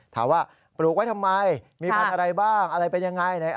ปลูกไว้ทำไมมีพันธุ์อะไรบ้างอะไรเป็นยังไง